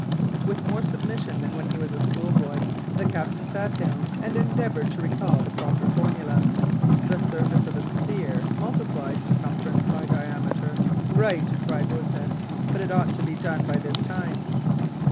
With more submission than when he was a school boy, the captain sat down and endeavored to recall the proper formula. "The surface of a sphere? Multiply circumference by diameter." "Right!" cried Rosette; "but it ought to be done by this time."